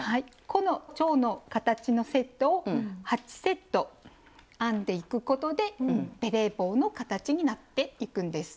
このチョウの形のセットを８セット編んでいくことでベレー帽の形になっていくんです。